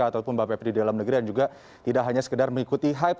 ataupun mbak pepri di dalam negeri yang juga tidak hanya sekedar mengikuti hype